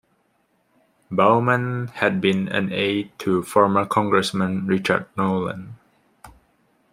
Baumann had been an aide to former congressman Richard Nolan.